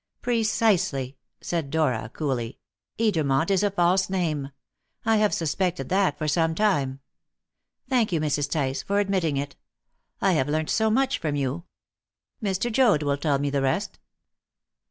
"Precisely," said Dora coolly. "Edermont is a false name. I have suspected that for some time. Thank you, Mrs. Tice, for admitting it. I have learnt so much from you. Mr. Joad will tell me the rest."